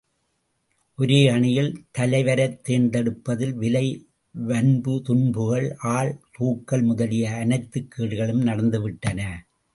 ஒரே அணியில் தலைவரைத் தேர்ந்தெடுப்பதில் விலை, வன்புதுன்புகள் ஆள் தூக்கல் முதலிய அனைத்துக் கேடுகளும் நடந்து விட்டன.